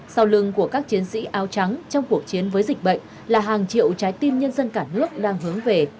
sau lưng của các chiến sĩ áo trắng trong cuộc chiến với dịch bệnh là hàng triệu trái tim nhân dân cả nước đang hướng về